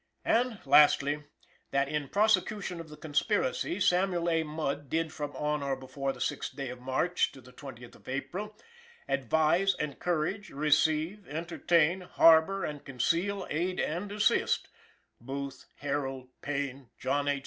And, lastly, that in prosecution of the conspiracy Samuel A. Mudd did from on or before the 6th day of March, to the 20th of April "advise, encourage, receive, entertain, harbor and conceal, aid and assist" Booth, Herold, Payne, John H.